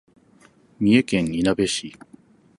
三重県いなべ市